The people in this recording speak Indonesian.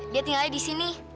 dia tinggalnya disini